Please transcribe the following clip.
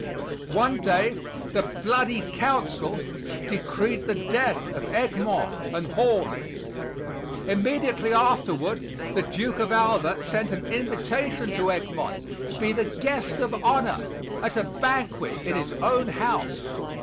One day the "Bloody Council" decreed the death of Egmont and Horn. Immediately afterward, the Duke of Alva sent an invitation to Egmont to be the guest of honor at a banquet in his own house.